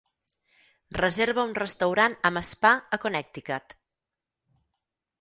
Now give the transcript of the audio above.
Reserva un restaurant amb spa a Connecticut.